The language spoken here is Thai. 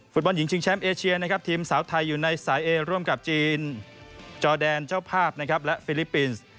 ฟุตบอลหญิงชิงแชมป์เอเชียนะครับทีมสาวไทยอยู่ในสายเอร่วมกับจีนจอแดนเจ้าภาพนะครับและฟิลิปปินส์